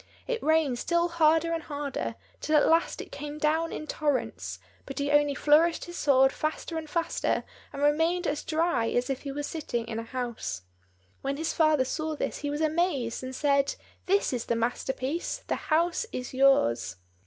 It rained still harder and harder, till at last it came down in torrents; but he only flourished his sword faster and faster, and remained as dry as if he were sitting in a house. When his father saw this he was amazed, and said, "This is the master piece, the house is yours!"